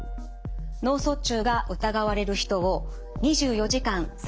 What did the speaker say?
脳卒中が疑われる人を２４時間・３６５日